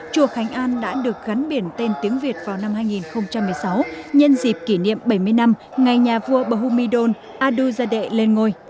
chùa khánh an đã được gắn biển tên tiếng việt vào năm hai nghìn một mươi sáu nhân dịp kỷ niệm bảy mươi năm ngày nhà vua bahumidon aduzade lên ngôi